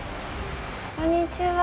こんにちは。